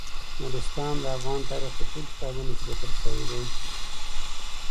نورستان د افغان تاریخ په ټولو کتابونو کې ذکر شوی دی.